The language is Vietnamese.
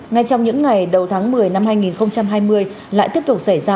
ngay trong những ngày đầu tháng một mươi năm hai nghìn hai mươi lại tiếp tục xảy ra